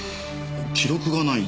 記録がない？